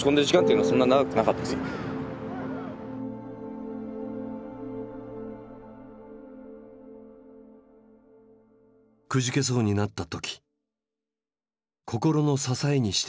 くじけそうになった時心の支えにしてきたものがある。